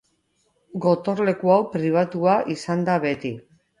Gotorleku hau pribatua izan da beti.